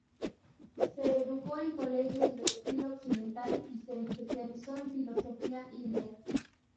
Se educó en colegios de estilo occidental y se especializó en filosofía india.